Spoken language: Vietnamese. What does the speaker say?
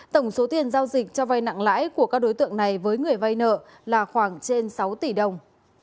tổng số tiền giao dịch cho vai nặng lãi của các đối tượng này với người vay nợ là khoảng trên sáu tỷ đồng